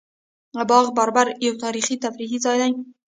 باغ بابر یو تاریخي او تفریحي ځای دی